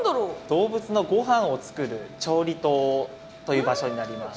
動物のごはんを作る調理棟という場所になります。